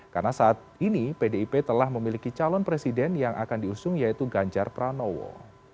karena saat ini pdip telah memiliki calon presiden yang akan diusung yaitu ganjar pranowo